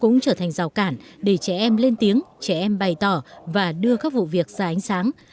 cũng trở thành rào cản để trẻ em lên tiếng trẻ em bày tỏ và đưa các vụ việc ra ánh sáng